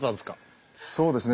そうですね